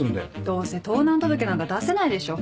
どうせ盗難届なんか出せないでしょ。